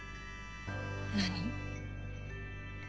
何？